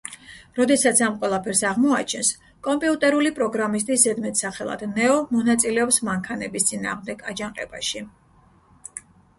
როდესაც ამ ყველაფერს აღმოაჩენს, კომპიუტერული პროგრამისტი ზედმეტსახელად „ნეო“ მონაწილეობს მანქანების წინააღმდეგ აჯანყებაში.